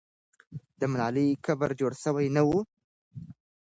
د ملالۍ قبر جوړ سوی نه وو.